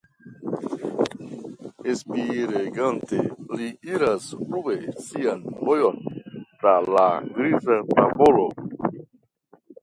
Spiregante li iras plue sian vojon tra la griza tavolo.